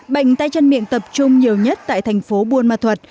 bệnh tay chân miệng tập trung nhiều nhất tại thành phố buôn ma thuật